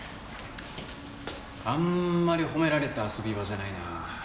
あんまり褒められた遊び場じゃないな。